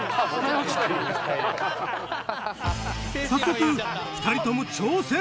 早速２人とも挑戦！